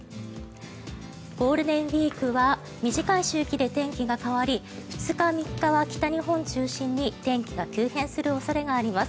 ゴールデンウィークは短い周期で天気が変わり２日、３日は北日本を中心に天気が急変する恐れがあります。